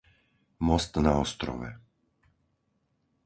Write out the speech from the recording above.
Most na Ostrove